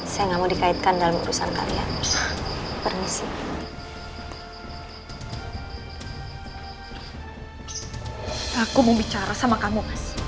saya nggak mau dikaitkan dalam urusan kalian permusik aku mau bicara sama kamu